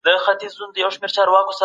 پلار يې شهباز خان و